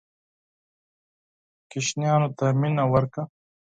ماشومانو ته مینه ورکړه.